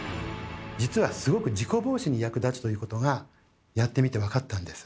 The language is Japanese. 実はすごく事故防止に役立つということがやってみて分かったんです。